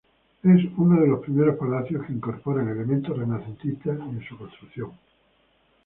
Es uno de los primeros palacios que incorporan elementos renacentistas en su construcción.